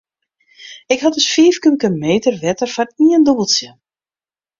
Ik ha dus fiif kubike meter wetter foar ien dûbeltsje.